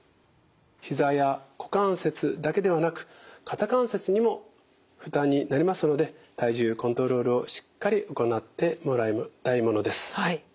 ひざや股関節だけではなく肩関節にも負担になりますので体重コントロールをしっかり行ってもらいたいものです。